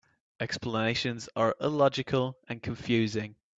Explanations are illogical and confusing.